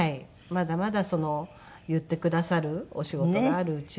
まだまだ言ってくださるお仕事があるうちは。